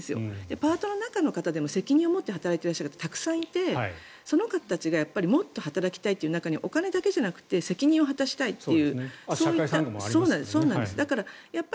パートの中の方でも責任を持って働いている方がたくさんいてその方たちがもっと働きたいという中にはお金だけじゃなくて責任を果たしたいという。